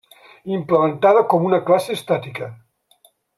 Implementada com una classe estàtica.